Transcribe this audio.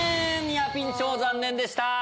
ニアピン賞残念でした。